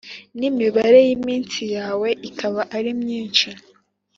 n’imibare y’iminsi yawe ikaba ari myinshi